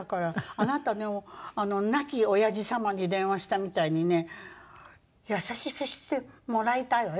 あなたね亡きおやじ様に電話したみたいにね優しくしてもらいたいわよ